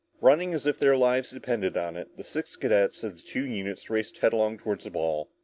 Running as if their lives depended on it, the six cadets of the two units raced headlong toward the ball.